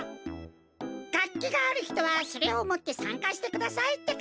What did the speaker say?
がっきがあるひとはそれをもってさんかしてくださいってか！